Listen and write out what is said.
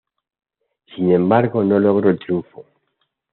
Sin embargo no logró el triunfo.